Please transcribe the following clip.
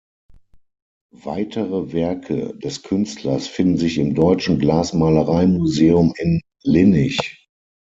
Weitere Werke des Künstlers finden sich im Deutschen Glasmalerei-Museum in Linnich.